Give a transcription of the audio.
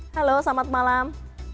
halo selamat malam